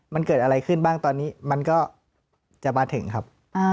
มันเกิดอะไรขึ้นบ้างตอนนี้มันก็จะมาถึงครับ